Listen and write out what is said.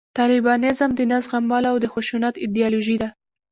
طالبانیزم د نه زغملو او د خشونت ایدیالوژي ده